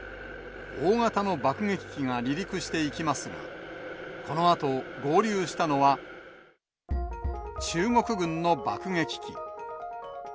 大型の爆撃機が離陸していきますが、このあと合流したのは、中国軍の爆撃機。